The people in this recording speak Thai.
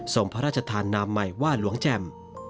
พระราชทานนามใหม่ว่าหลวงแจ่ม